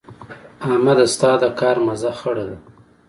احمده؛ ستا د کار مزه خړه ده.